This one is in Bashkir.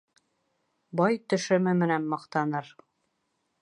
Бай төшөмө менән маҡтаныр